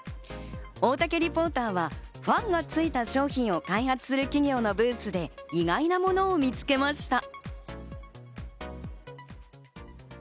大竹リポーターはファンがついた商品を開発するブースで意外なものを見つけました。